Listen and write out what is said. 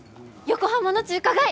横浜の中華街！